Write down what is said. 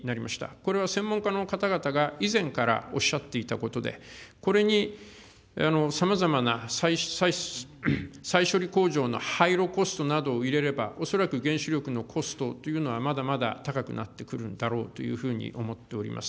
これは専門家の方々が以前からおっしゃっていたことで、これにさまざまな再処理工場の廃炉コストなどを入れれば、恐らく原子力のコストというのは、まだまだ高くなってくるんだろうというふうに思っております。